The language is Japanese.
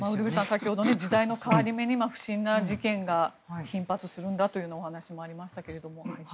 先ほど時代の変わり目に不審な事件が頻発するというお話もありましたけど。